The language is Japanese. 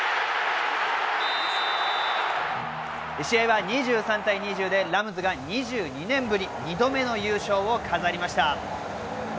試合は２３対２０でラムズが２２年ぶり２度目の優勝を飾りました。